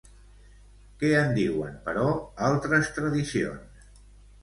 Què en diuen, però, altres tradicions?